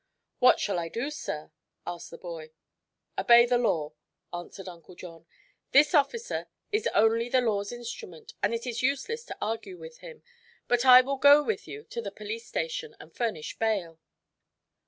"What shall I do, sir?" asked the boy. "Obey the law," answered Uncle John. "This officer is only the law's instrument and it is useless to argue with him. But I will go with you to the police station and furnish bail."